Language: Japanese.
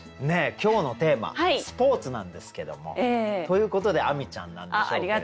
今日のテーマ「スポーツ」なんですけどもということで亜美ちゃんなんでしょうけれど。